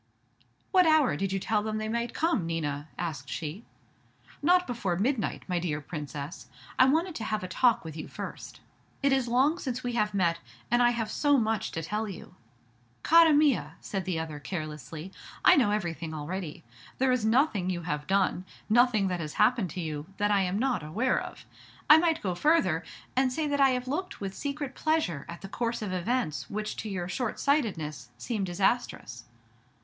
"What hour did you tell them they might come, Nina?" asked she. "Not before midnight, my dear Princess; I wanted to have a talk with you first. It is long since we have met, and I have so much to tell you." "Cara mia," said the other, carelessly, "I know everything already. There is nothing you have done, nothing that has happened to you, that I am not aware of. I might go further, and say that I have looked with secret pleasure at the course of events which to your short sightedness seemed disastrous."